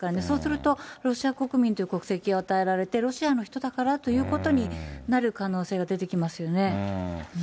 そうすると、ロシア国民という国籍を与えられて、ロシアの人だからということになる可能性が出てきますよね。